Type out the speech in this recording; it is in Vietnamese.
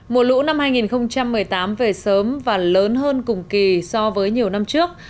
mùa lũ năm hai nghìn một mươi tám về sớm và lớn hơn cùng kỳ so với nhiều năm trước